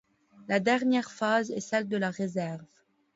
La dernière phase est celle de la réserve.